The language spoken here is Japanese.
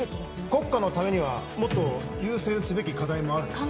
国家のためにはもっと優先すべき課題もあるでしょ